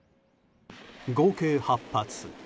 合計８発。